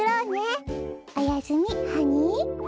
おやすみハニー。